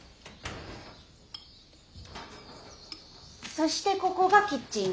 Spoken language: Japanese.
そしてここがキッチンね。